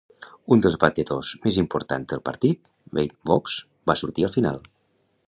Un dels batedors més importants del partit, Wade Boggs, va sortir al final.